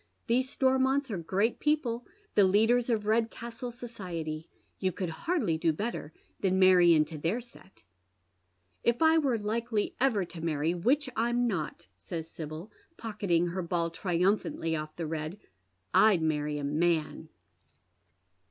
•♦These Stormonts are great people, the leaders of Redcastle society. You could hardly do better than marry into their set." " If I were likely ever to marry, which I'm not," says Sibyl, pocketing her ball triumphantly ofE the red, " I'd marry a man."